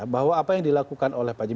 bahwa apa yang dilakukan oleh pajim